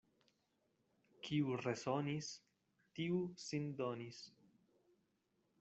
Kiu resonis, tiu sin donis.